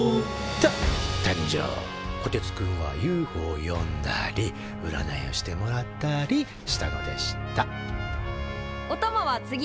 こてつくんはＵＦＯを呼んだりうらないをしてもらったりしたのでしたおたまは次の授業何？